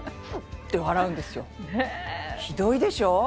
ひどいでしょ？